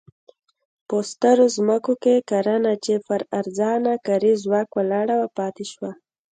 په سترو ځمکو کې کرنه چې پر ارزانه کاري ځواک ولاړه وه پاتې شوه.